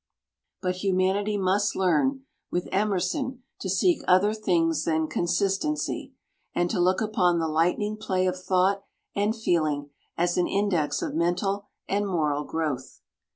But humanity must learn with Emerson to seek other things than consistency, and to look upon the lightning play of thought and feeling as an index of mental and moral growth.